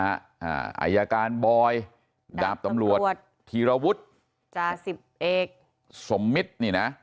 อายการบอยดาบตำรวจธีรวุฒิจาสิบเอกสมมิตรนี่นะ